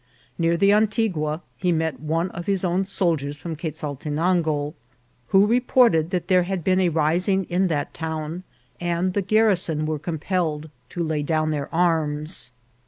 Near the Antigua he met one of his own soldiers from Quezaltenango, who report ed that there had been a rising in that town, and the garrison were compelled to lay down their arms.